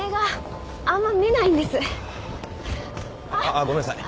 ああごめんなさい。